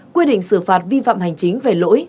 quy định xử phạt vi phạm hành chính về lỗi